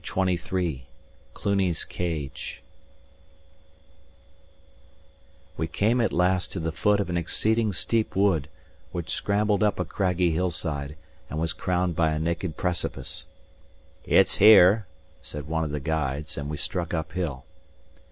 CHAPTER XXIII CLUNY'S CAGE We came at last to the foot of an exceeding steep wood, which scrambled up a craggy hillside, and was crowned by a naked precipice. "It's here," said one of the guides, and we struck up hill.